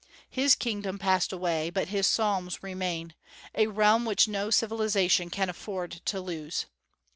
His kingdom passed away, but his Psalms remain, a realm which no civilization can afford to lose.